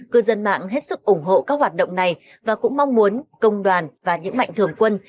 cư dân mạng hết sức ủng hộ các hoạt động này và cũng mong muốn công đoàn và những mạnh thường quân